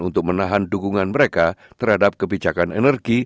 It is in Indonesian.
untuk menahan dukungan mereka terhadap kebijakan energi